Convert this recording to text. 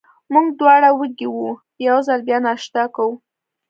موږ دواړه وږي وو، یو ځل بیا ناشته کوو.